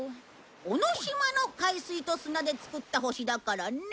尾の島の海水と砂で作った星だからね！